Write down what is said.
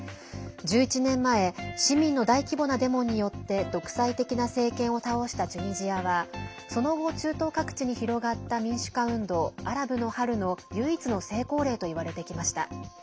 １１年前市民の大規模なデモによって独裁的な政権を倒したチュニジアはその後、中東各地に広まった民主化運動アラブの春の唯一の成功例といわれてきました。